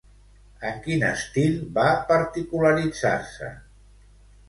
En quin estil va particularitzar-se?